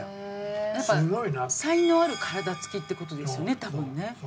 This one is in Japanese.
やっぱ才能ある体付きっていう事ですよね多分ね。